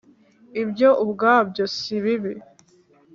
Ibyo ubwabyo si bibi.